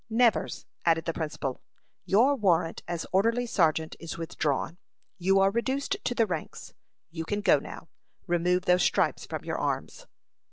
"Nevers," added the principal, "your warrant as orderly sergeant is withdrawn; you are reduced to the ranks. You can go, now. Remove those stripes from your arms."